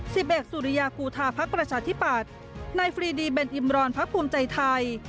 สิบเอกสุริยากูธาพักประชาธิปัตย์นายฟรีดีเบนอิมรอนพักภูมิใจไทย